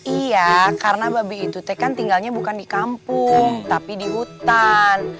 iya karena babi itu teh kan tinggalnya bukan di kampung tapi di hutan